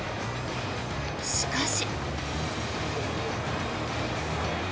しかし。